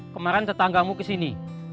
kemaren tetanggamu kesini